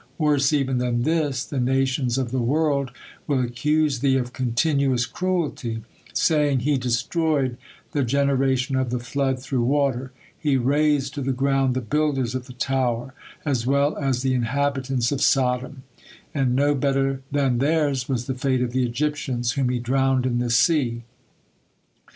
Worse even than this, the nations of the world will accuse Thee of continuous cruelty, saying, 'He destroyed the generation of the flood through water; He rased to the ground the builders of the tower, as well as the inhabitants of Sodom; and no better then theirs was the fate of the Egyptians, whom He drowned in the sea.